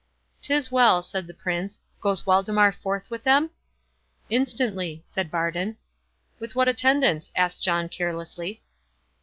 "'Tis well," said the Prince.—"Goes Waldemar forth with them?" "Instantly," said Bardon. "With what attendance?" asked John, carelessly.